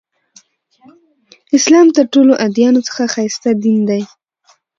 اسلام تر ټولو ادیانو څخه ښایسته دین دی.